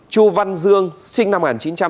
chu văn dương sinh năm một nghìn chín trăm chín mươi một